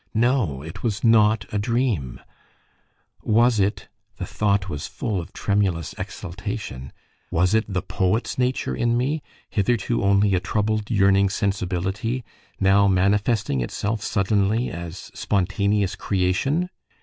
No, it was not a dream; was it the thought was full of tremulous exultation was it the poet's nature in me, hitherto only a troubled yearning sensibility, now manifesting itself suddenly as spontaneous creation?